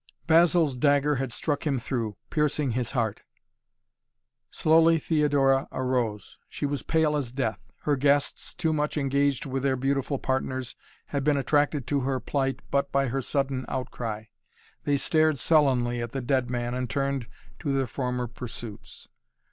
Basil's dagger had struck him through, piercing his heart. Slowly Theodora arose. She was pale as death. Her guests, too much engaged with their beautiful partners, had been attracted to her plight but by her sudden outcry. They stared sullenly at the dead man and turned to their former pursuits.